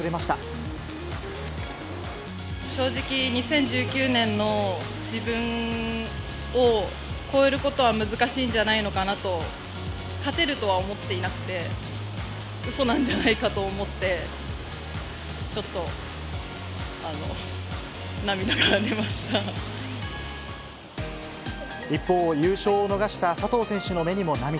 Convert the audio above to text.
正直、２０１９年の自分を超えることは難しいんじゃないのかなと、勝てるとは思っていなくて、うそなんじゃないかと思って、一方、優勝を逃した佐藤選手の目にも涙。